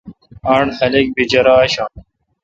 آڈ خلق بی جرہ آشہ۔